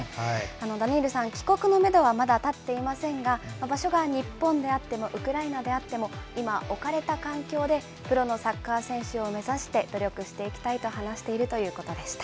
ダニールさん、帰国のメドはまだ立っていませんが、場所が日本であってもウクライナであっても、今置かれた環境で、プロのサッカー選手を目指して努力していきたいと話しているということでした。